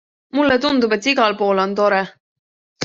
Mulle tundub, et igal pool on tore.